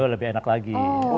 lebih enak lagi